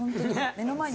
目の前に。